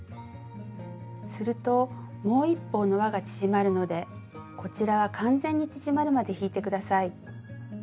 するともう一方のわが縮まるのでこちらは完全に縮まるまで引いて下さい。